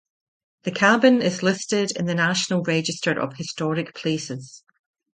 The cabin is listed in the National Register of Historic Places.